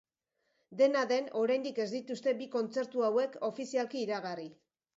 Dena den, oraindik ez dituzte bi kontzertu hauek ofizialki iragarri.